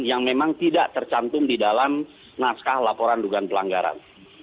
yang memang tidak tercantum di dalam naskah laporan dugaan pelanggaran